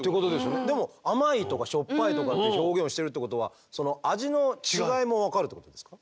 でも甘いとかしょっぱいとかって表現をしてるってことはその味の違いも分かるってことですか？